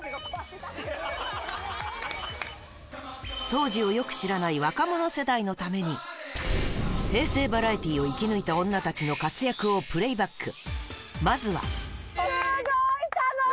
当時をよく知らない若者世代のために、平成バラエティーを生き抜いた女たちの活躍をプレイバック。